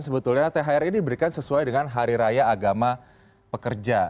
sebetulnya thr ini diberikan sesuai dengan hari raya agama pekerja